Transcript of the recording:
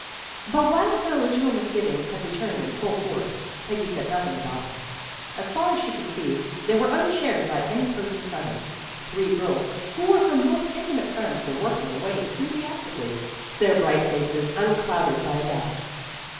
But while her original misgivings had re turned in full force, Peggy said nothing about them. As far as she could see, they were un shared by any person present. The three girls who were her most intimate friends were work ing away enthusiastically, their bright faces un clouded by a doubt.